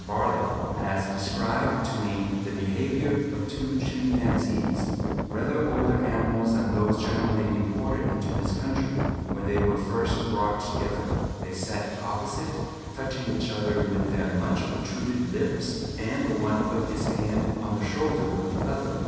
Bartlett has described to me the behaviour of two chimpanzees, rather older animals than those generally imported into this country, when they were first brought together. They sat opposite, touching each other with their much protruded lips; and the one put his hand on the shoulder of the other.